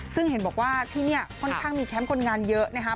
ซึ่งเห็นบอกว่าที่นี่ค่อนข้างมีแคมป์คนงานเยอะนะคะ